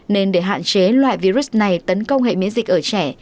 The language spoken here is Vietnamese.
nên để hạn chế loại virus này tấn công hệ miễn dịch ở trẻ